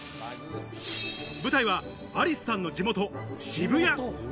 舞台はアリスさんの地元・渋谷。